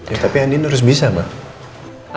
ya tapi andin harus bisa mbak